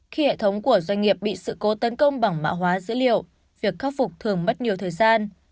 khi hệ thống của doanh nghiệp bị sự cố tấn công bằng mạ hóa dữ liệu việc khắc phục thường mất nhiều thời gian